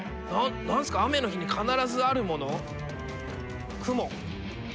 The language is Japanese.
何何すか雨の日に必ずあるもの？